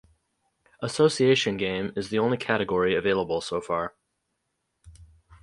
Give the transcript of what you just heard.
Association game is the only category available so far.